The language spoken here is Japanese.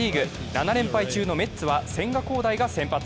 ７連敗中のメッツは千賀滉大が先発。